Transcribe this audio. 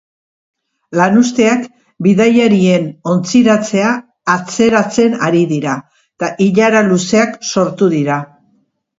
Lanuzteak bidaiarien ontziratzea atzeratzen ari dira, eta ilara luzeak sortu dira.